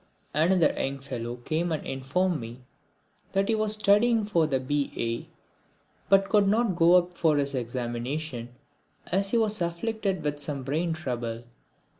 Another young fellow came and informed me that he was studying for the B.A., but could not go up for his examination as he was afflicted with some brain trouble.